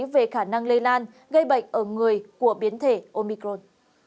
về khả năng lây lan gây bệnh ở người của biến thể omicron